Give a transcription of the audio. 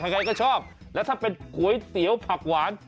ใครก็ชอบแล้วถ้าเป็นก๋วยเตี๋ยวผักหวาน